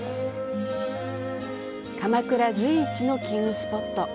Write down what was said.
鎌倉随一の金運スポット。